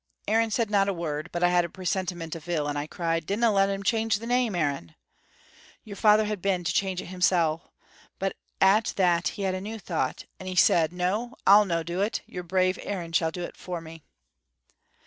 "Aaron said not a word, but I had a presentiment of ill, and I cried, 'Dinna let him change the name, Aaron!' Your father had been to change it himsel', but at that he had a new thait, and he said, 'No, I'll no' do it; your brave Aaron shall do it for me.'